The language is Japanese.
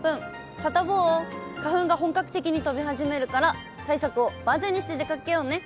サタボー、花粉が本格的に飛び始めるから対策を万全にして出かけようね。